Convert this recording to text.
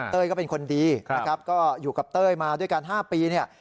ก็เป็นคนดีนะครับก็อยู่กับเต้ยมาด้วยกัน๕ปีเนี่ย